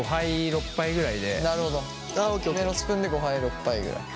大きめのスプーンで５杯６杯ぐらい。